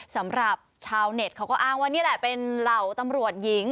สำหรับชาวเน็ตเขาก็อ้างว่านี่แหละเป็นเหล่าตำรวจหญิง